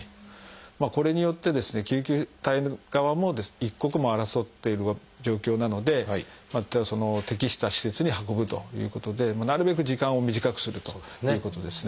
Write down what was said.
これによってですね救急隊の側も一刻を争っている状況なのでまたその適した施設に運ぶということでなるべく時間を短くするということですね。